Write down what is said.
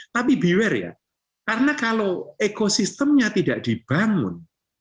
tapi beware ya karena kalau ekosistemnya tidak dibangun